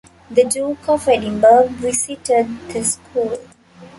The Duke of Edinburgh visited the school.